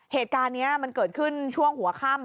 เหตุการณ์นี้มันเกิดขึ้นช่วงหัวค่ำ